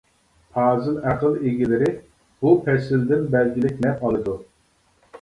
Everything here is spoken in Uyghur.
پازىل ئەقىل ئىگىلىرى بۇ پەسىلدىن بەلگىلىك نەپ ئالىدۇ.